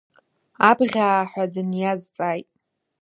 Абӷьааҳәа дыниазҵааит.